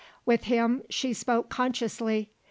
With him she spoke consciously.